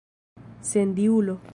sendiulo